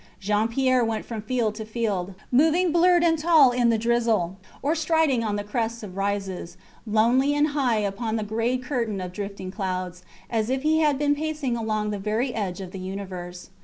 Jean Pierre went from field to field, moving blurred and tall in the drizzle, or striding on the crests of rises, lonely and high upon the gray curtain of drifting clouds, as if he had been pacing along the very edge of the universe.